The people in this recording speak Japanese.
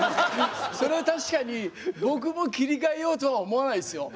それは確かに僕も切り替えようとは思わないですよ。